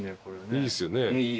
いいっすね。